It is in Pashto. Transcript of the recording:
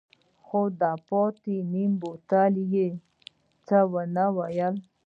خو د پاتې نيم بوتل يې څه ونه ويل.